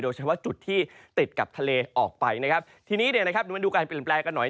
เฉพาะจุดที่ติดกับทะเลออกไปนะครับทีนี้เนี่ยนะครับดูมาดูการเปลี่ยนแปลงกันหน่อย